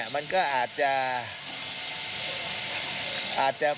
มันก็อาจจะ